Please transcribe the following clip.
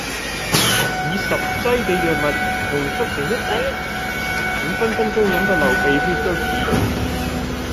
以十劑嘅藥物濃縮成一劑？咁分分鐘飲到流鼻血都似